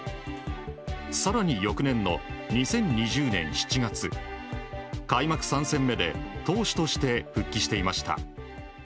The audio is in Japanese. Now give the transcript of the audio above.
更に翌年の２０２０年７月開幕３戦目で投手として復帰していました。